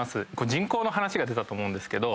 人口の話が出たと思うんですけど。